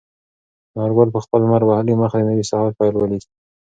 انارګل په خپل لمر وهلي مخ د نوي سهار پیل ولید.